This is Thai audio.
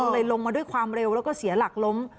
เลยลงมาด้วยความเร็วแล้วก็เสียหลักล้ม